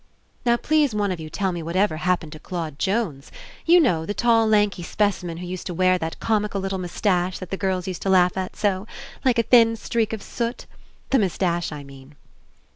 Now, please one of you tell me what ever happened to Claude Jones. You know, the tall, lanky specimen who used to wear that com ical little moustache that the girls used to laugh at so. Like a thin streak of soot. The mous tache, I mean."